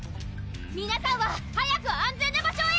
皆さんは早く安全な場所へ！